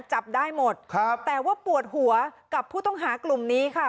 จับได้หมดครับแต่ว่าปวดหัวกับผู้ต้องหากลุ่มนี้ค่ะ